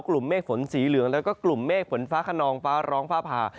เมฆฝนสีเหลืองแล้วก็กลุ่มเมฆฝนฟ้าขนองฟ้าร้องฟ้าผ่า